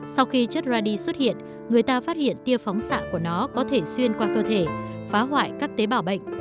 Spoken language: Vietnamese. sau khi chất radi xuất hiện người ta phát hiện tia phóng xạ của nó có thể xuyên qua cơ thể phá hoại các tế bào bệnh